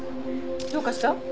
どうかした？